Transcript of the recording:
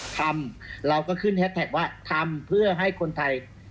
ทำเราก็ขึ้นแฮสแท็กว่าทำเพื่อให้คนไทย